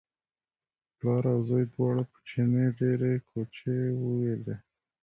پلار او زوی دواړو په چیني ډېرې کوچې وویلې.